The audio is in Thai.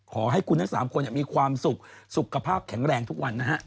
ขอให้คุณทั้ง๓คนมีความสุขสุขภาพแข็งแรงทุกวันนะฮะ